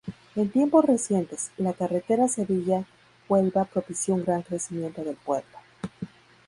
En tiempos recientes, la carretera Sevilla-Huelva propició un gran crecimiento del pueblo.